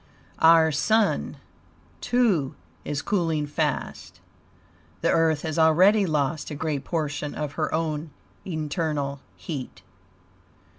Our Sun, too, is cooling fast; the Earth has already lost a great portion of her own internal heat.